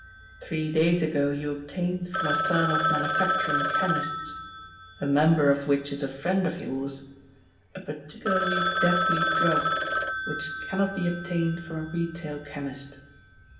Three days ago you obtained from a firm of manufacturing chemists, a member of which is a friend of yours, a particularly deadly drug, which cannot be obtained from a retail chemist.